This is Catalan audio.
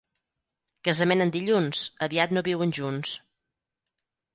Casament en dilluns, aviat no viuen junts.